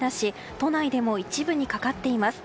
都内でも一部にかかっています。